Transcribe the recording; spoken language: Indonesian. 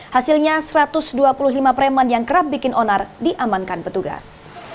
hasilnya satu ratus dua puluh lima preman yang kerap bikin onar diamankan petugas